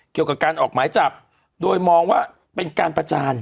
เกี่ยวกับการออกหมายจับโดยมองว่าเป็นการประจาน